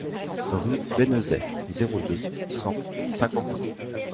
Rue Bénezet, zéro deux, cent Saint-Quentin